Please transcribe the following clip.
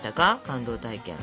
感動体験。